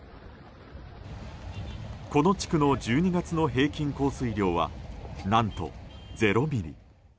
この地区の１２月の平均降水量は何と０ミリ。